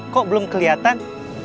kok belum keliatan